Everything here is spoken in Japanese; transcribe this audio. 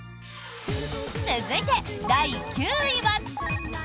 続いて、第９位は。